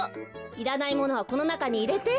いらないものはこのなかにいれて。